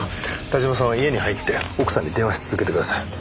田島さんは家に入って奥さんに電話し続けてください。